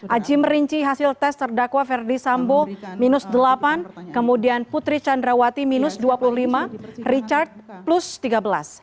aji merinci hasil tes terdakwa verdi sambo minus delapan kemudian putri candrawati minus dua puluh lima richard plus tiga belas